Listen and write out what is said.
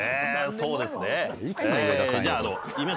そうですね。